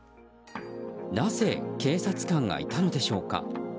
なぜ警察官がいたのでしょうか。